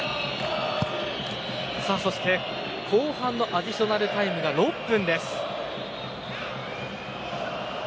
そして、後半のアディショナルタイムが６分。